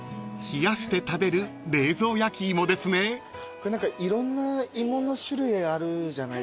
これ何かいろんな芋の種類あるじゃないですか。